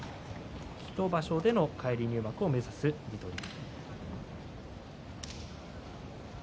１場所での返り入幕を目指す水戸龍。